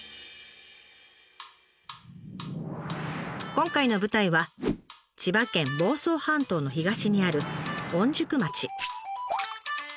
今回の舞台は千葉県房総半島の東にある御宿町。